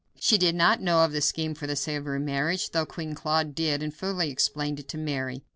She did not know of the scheme for the Savoy marriage, though Queen Claude did, and fully explained it to Mary.